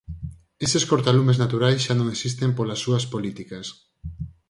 Eses cortalumes naturais xa non existen polas súas políticas.